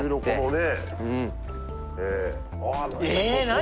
何